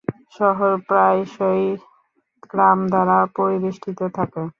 শহর প্রায়শই গ্রাম দ্বারা পরিবেষ্টিত থাকে।